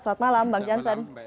selamat malam bang jansen